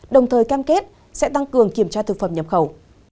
đồng thời cam kết sẽ tăng cường kiểm tra thực phẩm nhập khẩu